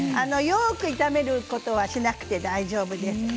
よく炒めることはしなくて大丈夫です。